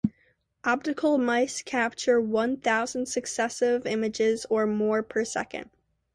Optical mice capture one thousand successive images or more per second.